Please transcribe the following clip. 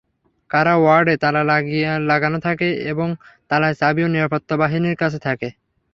কারা ওয়ার্ডে তালা লাগানো থাকে এবং তালার চাবিও নিরাপত্তাবাহিনীর কাছে থাকে।